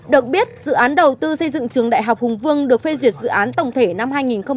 được biết dự án đầu tư xây dựng trường đại học hùng vương được phê duyệt dự án tổng thể năm hai nghìn bốn